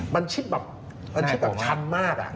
มันชิบแบบชั้นมาก